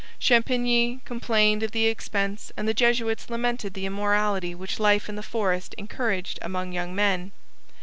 Champigny complained of the expense and the Jesuits lamented the immorality which life in the forest encouraged among young men.